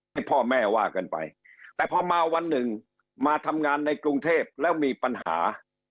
ให้พ่อแม่ว่ากันไปแต่พอมาวันหนึ่งมาทำงานในกรุงเทพแล้วมีปัญหา